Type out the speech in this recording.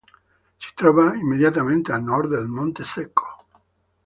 Si trova immediatamente a nord del Monte Secco.